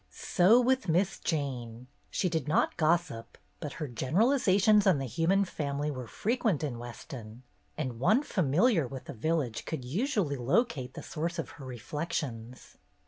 So with Miss Jane. She did not gossip, but her generalizations on the human family were frequent in Weston, and one familiar with the village could usually locate the source of her reflections.